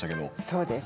そうです。